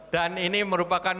dan ini merupakan